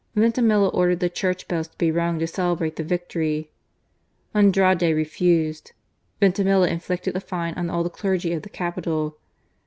Vintimilla ordered the church bells to be rung to celebrate the victory. Andrade refused : Vintimilla inflicted a fine on all the clergy of the capital.